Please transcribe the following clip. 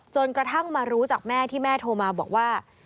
กระทั่งมารู้จากแม่ที่แม่โทรมาบอกว่า